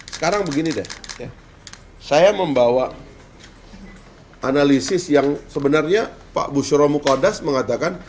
sekarang begini deh saya membawa analisis yang sebenarnya pak bushro mukodas mengatakan